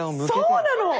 そうなの！